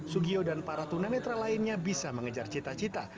sugio dan para tunanetra lainnya bisa mengejar cita cita